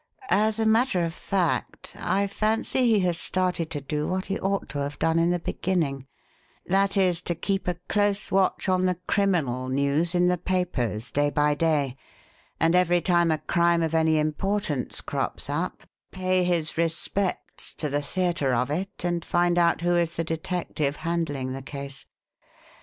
As a matter of fact I fancy he has started to do what he ought to have done in the beginning that is, to keep a close watch on the criminal news in the papers day by day, and every time a crime of any importance crops up, pay his respects to the theatre of it and find out who is the detective handling the case.